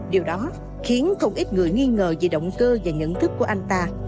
điều đó khiến không ít người nghi ngờ về động cơ và nhận thức của anh ta